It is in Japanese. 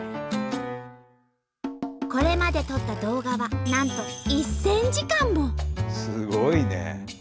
これまで撮った動画はなんとすごいね！